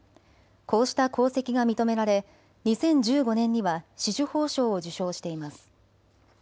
こうした功績が認められ２０１５年には紫綬褒章を受章しています。